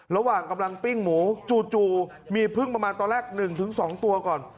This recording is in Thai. ระหว่างกำลังปิ้งหมูจู่มีพึ่งประมาณตอนแรก๑๒ตัวก่อน